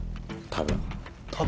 多分。